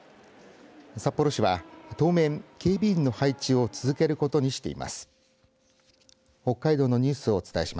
札幌市は当面警備員の配置を続けることにしています。